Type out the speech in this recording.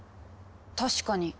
確かに。